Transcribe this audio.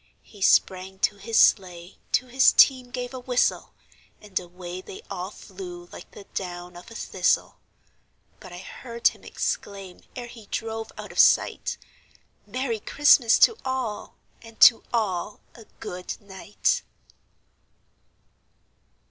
He sprang to his sleigh, to his team gave a whistle, And away they all flew like the down of a thistle; But I heard him exclaim, ere he drove out of sight, "Merry Christmas to all, and to all a good night!"